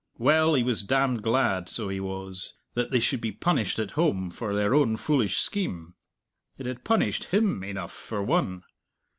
Well, he was damned glad, so he was, that they should be punished at home by their own foolish scheme it had punished him enough, for one.